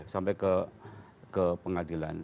sampai ke pengadilan